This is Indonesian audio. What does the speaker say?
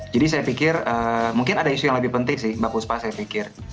jadi saya pikir mungkin ada isu yang lebih penting sih mbak puspa saya pikir